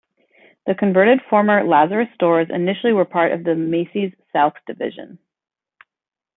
The converted former Lazarus stores initially were part of the Macy's South division.